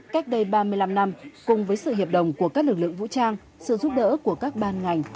cách đây ba mươi năm năm cùng với sự hiệp đồng của các lực lượng vũ trang sự giúp đỡ của các ban ngành